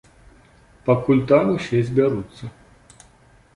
Пакуль там усе збяруцца.